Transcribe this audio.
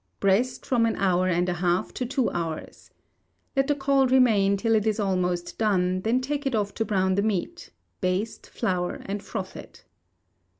Breast, from an hour and a half to two hours. Let the caul remain till it is almost done, then take it off to brown the meat; baste, flour, and froth it.